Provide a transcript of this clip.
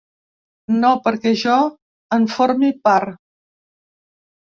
No perquè jo en formi part.